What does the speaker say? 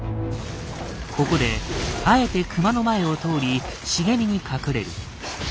ここであえてクマの前を通り茂みに隠れる。